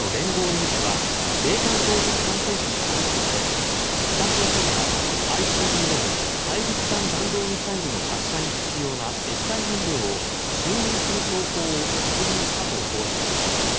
ニュースは米韓当局関係者の話として北朝鮮がＩＣＢＭ・大陸間弾道ミサイルの発射に必要な液体燃料を注入する兆候を確認したと報じました。